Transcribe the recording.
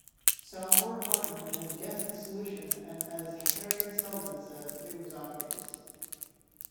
Salvor Hardin had guessed the solution, and as Hari Seldon said, it was obvious.